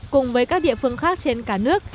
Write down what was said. cùng với các địa phương khác trên cả nước